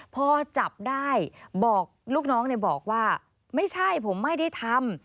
พอจับได้บอกลูกน้องบอกว่าไม่ใช่ผมไม่ได้ทำ